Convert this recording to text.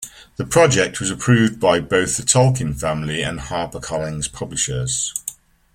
The project was approved by both the Tolkien family and HarperCollins Publishers.